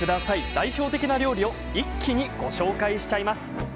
代表的な料理を一気にご紹介しちゃいます。